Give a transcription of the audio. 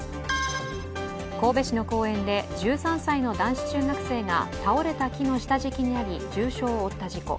神戸市の公園で１３歳の男子中学生が倒れた木の下敷きになり重傷を負った事故。